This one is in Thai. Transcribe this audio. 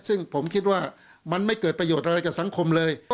ซึ่งผมคิดว่ามันไม่เกิดประโยชน์อะไรกับสังคมเลย